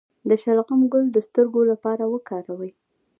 د شلغم ګل د سترګو لپاره وکاروئ